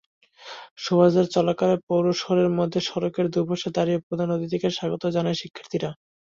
শোভাযাত্রা চলাকালে পৌর শহরের মধ্যে সড়কের দুপাশে দাঁড়িয়ে প্রধান অতিথিকে স্বাগত জানায় শিক্ষার্থীরা।